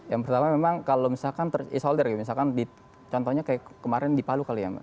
yang pertama memang kalau misalkan terisolder misalkan di contohnya kayak kemarin di palu kali ya mbak